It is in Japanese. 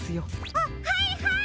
あっはいはい！